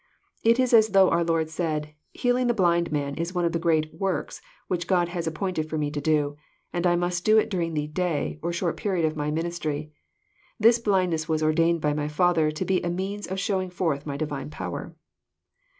'* It it as though our Lord said,— *' Healing the blind man is one of the great * works * which God has appointed for Me to do, and I must do it daring the * day,' or short period of My minis try. This blindness was ordained by My Father to be a means of Rhowiug forth My divine power."